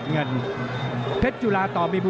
เจ็กสีแดงเจ็กสีแดงเจ็กสีแดง